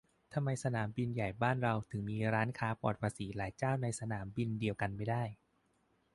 ทำไมสนามบินใหญ่บ้านเราถึงมีร้านค้าปลอดภาษีหลายเจ้าในสนามบินเดียวไม่ได้